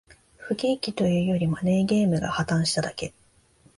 不景気というより、マネーゲームが破綻しただけ